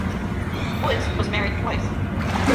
Woods was married twice.